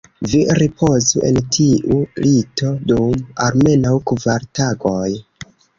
Vi ripozu en tiu lito dum almenaŭ kvar tagoj.